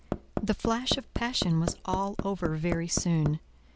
The flash of passion was all over very soon.